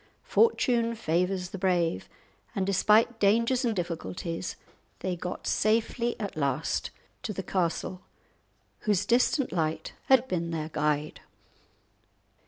Fortune favours the brave, and despite dangers and difficulties they got safely at last to the castle, whose distant light had been their guide.